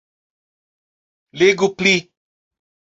Legu pli.